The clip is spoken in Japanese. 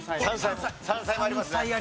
山菜もありますね。